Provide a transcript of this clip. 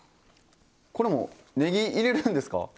これもねぎ入れるんですか？